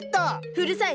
うるさい！